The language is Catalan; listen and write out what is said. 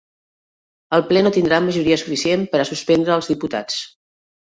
El ple no tindrà majoria suficient per a suspendre els diputats